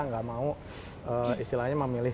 nggak mau istilahnya memilih